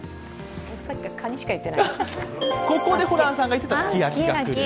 ここでホランさんが言っていたすき焼きが来る。